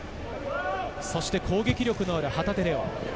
攻撃力のある旗手怜央。